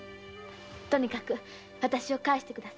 とにかく私を帰して下さい。